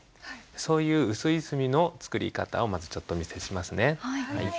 そういう薄い墨の作り方をまずちょっとお見せしますね。